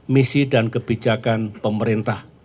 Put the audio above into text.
misi dan kebijakan pemerintah